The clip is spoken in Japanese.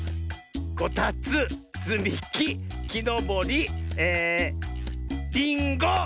「こたつつみききのぼり」え「りんご」！